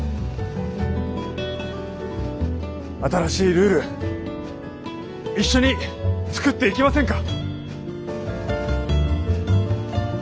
新しいルール一緒に作っていきませんか？